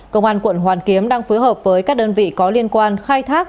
công an quận hoàn kiếm đang phối hợp với các đơn vị có liên quan khai thác